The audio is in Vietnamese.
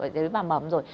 tế bào mầm rồi